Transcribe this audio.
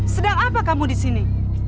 sedang apa kamu disini